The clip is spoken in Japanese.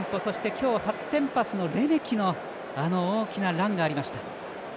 今日初先発のレメキのあの大きなランがありました。